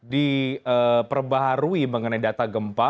diperbaharui mengenai data gempa